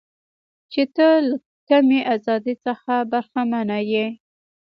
چې ته له کمې ازادۍ څخه برخمنه یې.